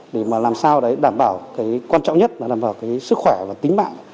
để mà làm sao đấy đảm bảo cái quan trọng nhất là đảm bảo cái sức khỏe và tính mạng